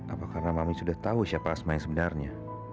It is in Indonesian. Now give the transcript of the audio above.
apa karena mami sudah tahu siapa asma yang sebenarnya